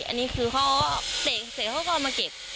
อันนี้คือเขาเตะเสร็จเขาก็เอามาเก็บ